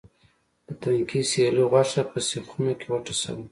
د تنکي سېرلي غوښه په سیخونو کې وټسوه.